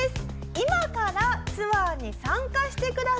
「今からツアーに参加してください！」。